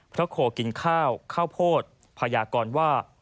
โคกินข้าวข้าวโพดพยากรว่า